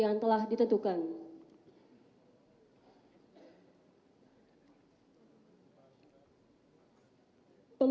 wakil ketua due consent